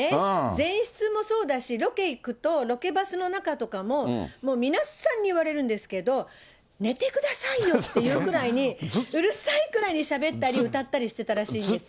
前室もそうだし、ロケ行くと、ロケバスの中とかも、もう皆さんに言われるんですけど、寝てくださいよっていうぐらいに、うるさいくらいにずっとしゃべってて、歌ったりしてたらしいんですよ。